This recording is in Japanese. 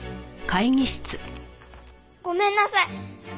ごめんなさい！